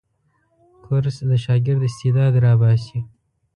کورس د شاګرد استعداد راباسي.